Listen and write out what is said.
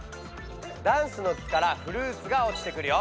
ダンスの木からフルーツが落ちてくるよ。